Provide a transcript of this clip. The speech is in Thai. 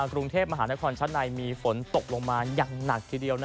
กรุงเทพมหานครชั้นในมีฝนตกลงมาอย่างหนักทีเดียว